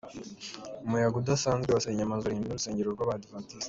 Umuyaga udasanzwe wasenye amazu arindwi n’urusengero rw’abadivantisiti